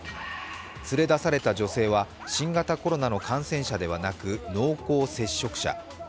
連れ出された女性は新型コロナの感染者ではなく濃厚接触者。